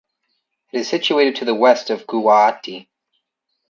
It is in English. It is situated to the west of Guwahati.